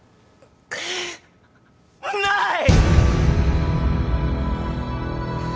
ない！！